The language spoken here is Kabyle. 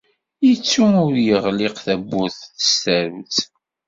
Yettu ur yeɣliq tawwurt s tsarut.